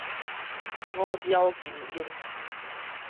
五爪金英